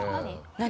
何？